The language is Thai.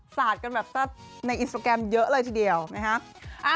สาดกันแบบในอินสตราแกรมเยอะเลยทีเดียวนะฮะ